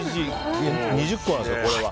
１日２０個なんですか、これが。